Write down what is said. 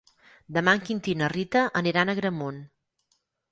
Demà en Quintí i na Rita aniran a Agramunt.